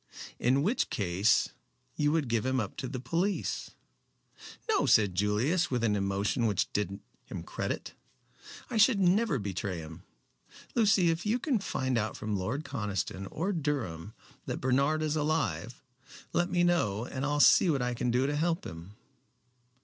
"In which case you would give him up to the police." "No," said Julius with an emotion which did him credit, "I should never betray him. Lucy, if you can find out from Lord Conniston or Durham that Bernard is alive, let me know and I'll see what I can do to help him."